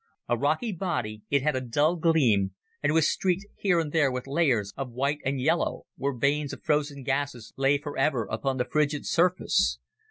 A rocky body, it had a dull gleam, and was streaked here and there with layers of white and yellow, where veins of frozen gases lay forever upon the frigid surface.